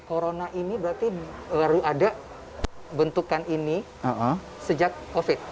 corona ini berarti baru ada bentukan ini sejak covid